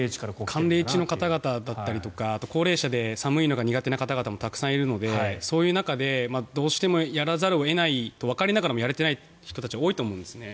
寒冷地の方々だったりととかあとは高齢者で寒いのが苦手な方がたくさんいるのでそういう中でどうしてもやらざるを得ないとわかっていながらもやれてない人たちは多いと思うんですね。